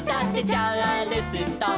「チャールストン」